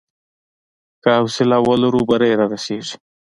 که حوصله ولرو، بری رارسېږي.